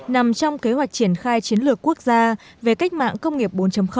nằm trong kế hoạch triển khai chiến lược quốc gia về cách mạng công nghiệp bốn